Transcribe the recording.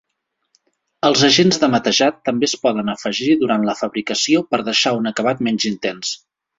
Els agents de matejat també es poden afegir durant la fabricació per deixar un acabat menys intens.